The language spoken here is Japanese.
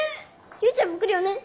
唯ちゃんも来るよね？